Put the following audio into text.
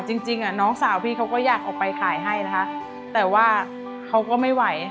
จริงจริงอ่ะน้องสาวพี่เขาก็อยากออกไปขายให้นะคะแต่ว่าเขาก็ไม่ไหว